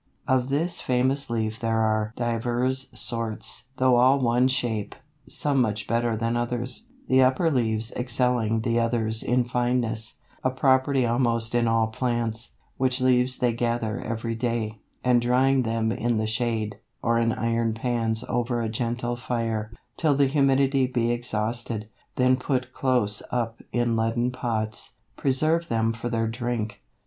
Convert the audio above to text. Of this famous leaf there are divers sorts (though all one shape), some much better than others, the upper leaves excelling the others in fineness, a property almost in all plants; which leaves they gather every day, and drying them in the shade, or in iron pans over a gentle fire, till the humidity be exhausted, then put close up in leaden pots, preserve them for their drink.